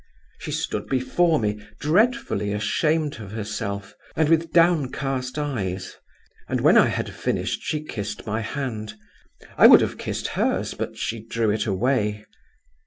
She stood before me, dreadfully ashamed of herself, and with downcast eyes; and when I had finished she kissed my hand. I would have kissed hers, but she drew it away.